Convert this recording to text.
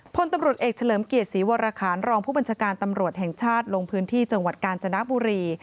พลตำรวจเอกเฉลิมเกียรติศรีวรคารรองผู้บัญชาการตำรวจแห่งชาติลงพื้นที่จังหวัดกาญจนบุรี